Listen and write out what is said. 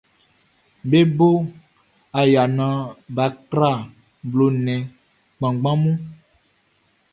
Be bo aya naan bʼa tra blo nnɛn kanngan mun.